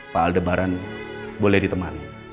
pak aldebaran boleh ditemani